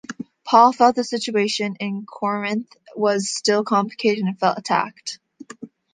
Paul felt the situation in Corinth was still complicated and felt attacked.